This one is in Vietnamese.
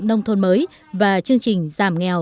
nông thôn mới và chương trình giảm nghèo